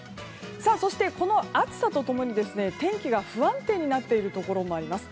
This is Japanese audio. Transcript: そして、この暑さと共に天気が不安定になっているところもあります。